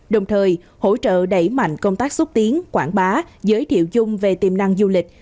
đồng thời hỗ trợ đẩy mạnh công tác xúc tiến quảng bá giới thiệu dung về tiềm năng du lịch